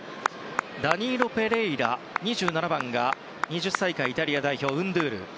ダニーロ・ペレイラがいてそして、２７番が２０歳以下イタリア代表のンドゥール。